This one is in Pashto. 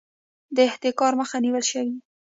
د احتکار مخه نیول شوې؟